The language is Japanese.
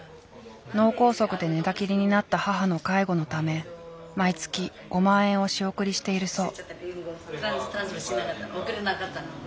脳梗塞で寝たきりになった母の介護のため毎月５万円を仕送りしているそう。